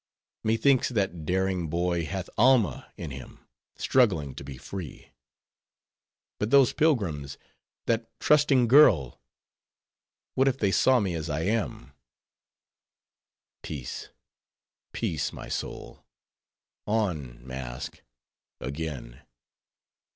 Methinks that daring boy hath Alma in him, struggling to be free. But those pilgrims: that trusting girl.—What, if they saw me as I am? Peace, peace, my soul; on, mask, again."